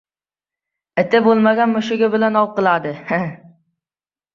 • Iti bo‘lmagan mushugi bilan ov qiladi.